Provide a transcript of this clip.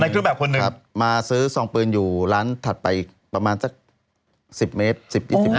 เครื่องแบบคนหนึ่งมาซื้อซองปืนอยู่ร้านถัดไปอีกประมาณสัก๑๐เมตร๑๕